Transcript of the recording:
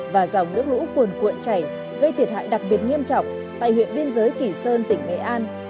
và dòng nước lũ cuồn cuộn chảy gây thiệt hại đặc biệt nghiêm trọng tại huyện biên giới kỳ sơn tỉnh nghệ an